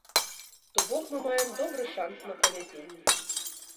То бок мы маем добры шанс на правядзенне.